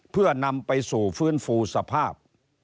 เพื่อนำไปสู่ฟื้นฟูสภาพ